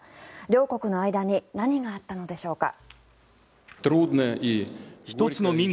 両国の間に何があったのでしょうか。